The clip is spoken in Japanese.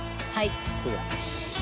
はい。